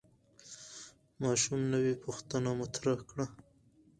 ماشوم نوې پوښتنه مطرح کړه